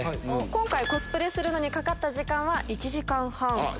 今回コスプレにかかった時間は１時間半。